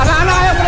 ini loh seter